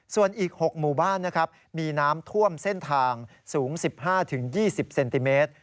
ส่วนอีก๖หมู่บ้านนะครับมีน้ำท่วมเส้นทางสูง๑๕๒๐เซนติเมตร